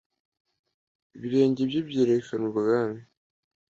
Ibirenge bye byerekana ubwami